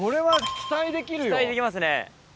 期待できますね。